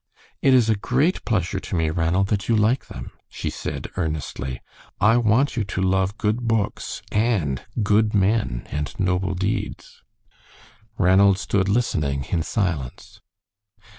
"It is a great pleasure to me, Ranald, that you like them," she said, earnestly. "I want you to love good books and good men and noble deeds." Ranald stood listening in silence.